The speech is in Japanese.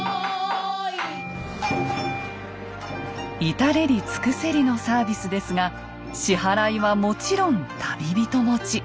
至れり尽くせりのサービスですが支払いはもちろん旅人持ち。